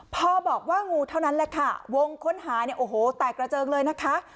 พอบอกว่างูเท่านั้นแหละค่ะวงค้นหาเนี่ยโอ้โหแตกกระเจิงเลยนะคะ